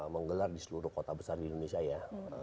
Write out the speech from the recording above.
menggelar di seluruh kota besar di indonesia ya